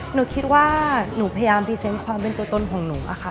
หนูคิดว่าหนูพยายามพรีเซนต์ความเป็นตัวตนของหนูอะค่ะ